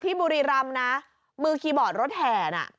บุรีรำนะมือคีย์บอร์ดรถแห่น่ะ